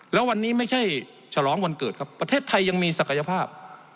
แล้ววันนี้ไม่ใช่ฉลองวันเกิดครับประเทศไทยยังมีศักยภาพ